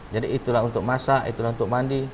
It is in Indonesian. jadi itulah untuk masak itulah untuk mandi